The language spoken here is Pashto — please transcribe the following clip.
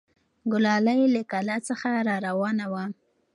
ګلالۍ له کلا څخه راروانه وه.